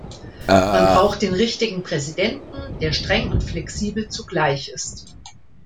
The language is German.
Man braucht den richtigen Präsidenten, der streng und flexibel zugleich ist.